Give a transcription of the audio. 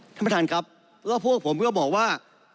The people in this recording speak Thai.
ท่านประธานครับแล้วพวกผมก็บอกว่า